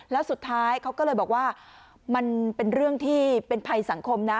แล้วสุดท้ายเขาก็เลยบอกว่ามันเป็นเรื่องที่เป็นภัยสังคมนะ